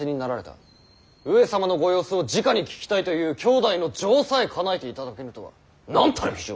上様のご様子をじかに聞きたいという兄弟の情さえかなえていただけぬとはなんたる非情。